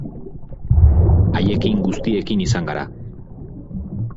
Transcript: Haiekin guztiekin izan gara.